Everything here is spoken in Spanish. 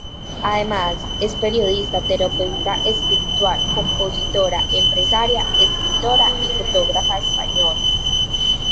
Además, es periodista, terapeuta espiritual, compositora, empresaria, escritora y fotógrafa española.